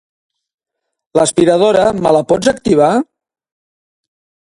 L'aspiradora, me la pots activar?